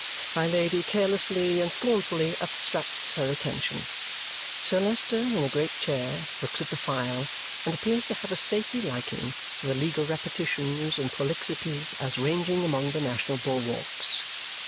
My Lady carelessly and scornfully abstracts her attention. Sir Leicester in a great chair looks at the file and appears to have a stately liking for the legal repetitions and prolixities as ranging among the national bulwarks.